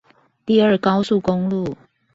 第二高速公路